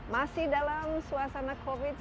masih dalam suasana covid